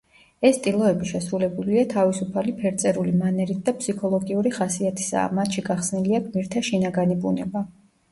ეს ტილოები შესრულებულია თავისუფალი ფერწერული მანერით და ფსიქოლოგიური ხასიათისაა, მათში გახსნილია გმირთა შინაგანი ბუნება.